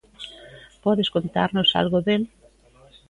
Podes contarnos algo del?